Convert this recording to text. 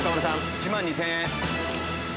１万２０００円。